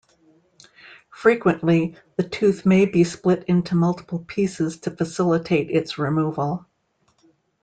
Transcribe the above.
Frequently, the tooth may be split into multiple pieces to facilitate its removal.